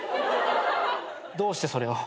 どうしてそれを？